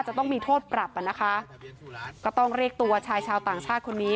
จะต้องมีโทษปรับอ่ะนะคะก็ต้องเรียกตัวชายชาวต่างชาติคนนี้